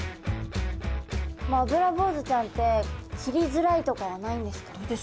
アブラボウズちゃんって切りづらいとかはないんですか？